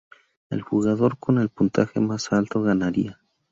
El jugador con el puntaje más alto ganaría.